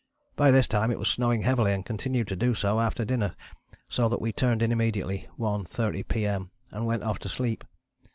By this time it was snowing heavily and continued to do so after dinner so that we turned in immediately (1.30 P.M.) and went off to sleep.